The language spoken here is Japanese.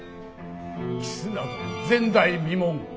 キスなど前代未聞。